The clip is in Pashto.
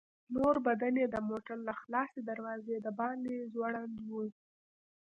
نور بدن يې د موټر له خلاصې دروازې د باندې ځوړند و.